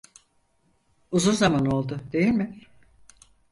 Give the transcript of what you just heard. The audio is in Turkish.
Uzun zaman oldu, değil mi?